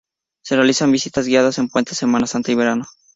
Se realizan visitas guiadas en puentes, Semana Santa y verano.